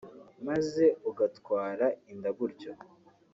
maze ugatwara inda gutyo